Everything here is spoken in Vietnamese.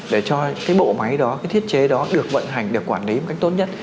để cho cái bộ máy đó cái thiết chế đó được vận hành được quản lý một cách tốt nhất